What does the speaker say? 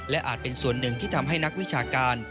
อาจเป็นส่วนหนึ่งที่ทำให้นักวิชาการ